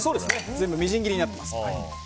全部みじん切りになってます。